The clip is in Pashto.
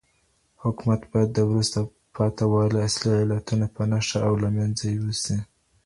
حکومت باید د وروسته پاته والي اصلي علتونه په نښه او لمنځه یوسي.